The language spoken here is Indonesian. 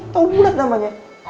tau bulat namanya